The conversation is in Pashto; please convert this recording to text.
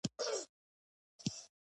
پملا د کتاب کتنه او هنری لیکنې نه خپروي.